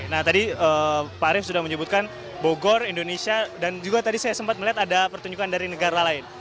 nah tadi pak arief sudah menyebutkan bogor indonesia dan juga tadi saya sempat melihat ada pertunjukan dari negara lain